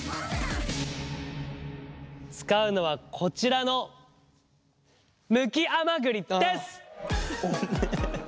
使うのはこちらのむき甘栗でっす！